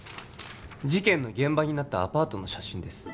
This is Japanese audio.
事件の現場になったアパートの写真です